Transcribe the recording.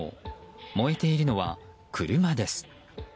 燃えているのは、車です。